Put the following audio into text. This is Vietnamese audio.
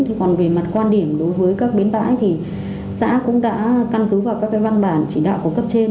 thì còn về mặt quan điểm đối với các bến bãi thì xã cũng đã căn cứ vào các cái văn bản chỉ đạo của cấp trên